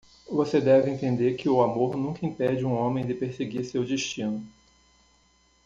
Você deve entender que o amor nunca impede um homem de perseguir seu destino.